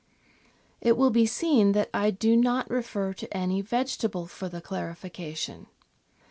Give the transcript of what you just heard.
It will be seen that I do not refer to any vegetable for the clarification.